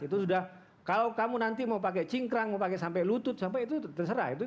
itu sudah kalau kamu nanti mau pakai cingkrang mau pakai sampai lutut sampai itu terserah itu